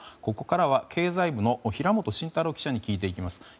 ここからは経済部の平元真太郎記者に聞いていきます。